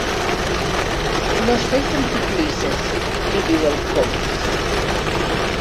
No sé com t'hi clisses —li diu el Comas—.